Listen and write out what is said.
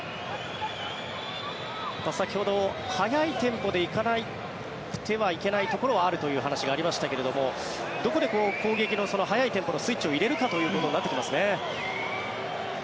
先ほど速いテンポで行かなくてはいけないところはあるという話がありましたけどどこで攻撃の速いテンポのスイッチを入れるかということになってきますね。